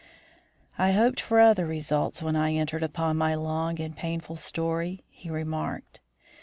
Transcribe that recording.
"I hoped for other results when I entered upon my long and painful story," he remarked.